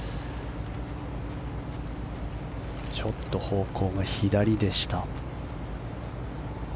ちょっと方向が左でした。